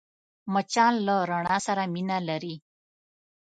مچان له رڼا سره مینه لري